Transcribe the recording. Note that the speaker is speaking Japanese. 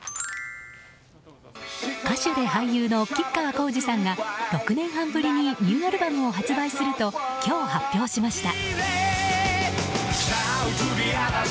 歌手で俳優の吉川晃司さんが６年半ぶりにニューアルバムを発売すると今日発表しました。